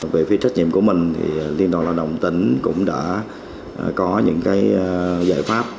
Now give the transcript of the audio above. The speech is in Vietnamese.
về phía trách nhiệm của mình liên đoàn lao động tỉnh cũng đã có những giải pháp